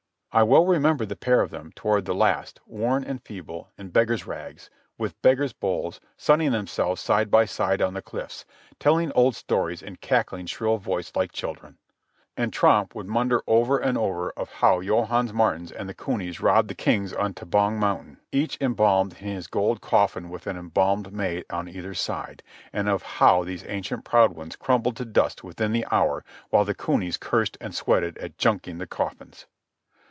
I well remember the pair of them, toward the last, worn and feeble, in beggars' rags, with beggars' bowls, sunning themselves side by side on the cliffs, telling old stories and cackling shrill voiced like children. And Tromp would maunder over and over of how Johannes Maartens and the cunies robbed the kings on Tabong Mountain, each embalmed in his golden coffin with an embalmed maid on either side; and of how these ancient proud ones crumbled to dust within the hour while the cunies cursed and sweated at junking the coffins.